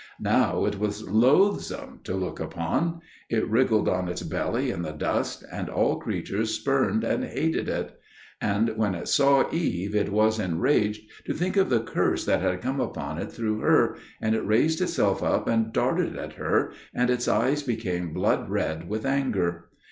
Now it was loathsome to look upon; it wriggled on its belly in the dust, and all creatures spurned and hated it. And when it saw Eve it was enraged to think of the curse that had come upon it through her, and it raised itself up and darted at her, and its eyes became blood red with anger.